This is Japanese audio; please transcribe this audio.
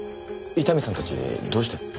伊丹さんたちどうして？